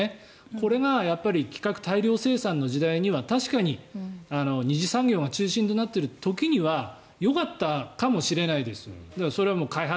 これが規格大量生産の時代には確かに、二次産業が中心になっている時にはよかったかもしれないですよ。